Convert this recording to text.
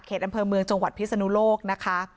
อำเภอเมืองจังหวัดพิศนุโลกนะคะ